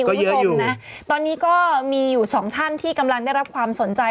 คุณผู้ชมนะตอนนี้ก็มีอยู่สองท่านที่กำลังได้รับความสนใจ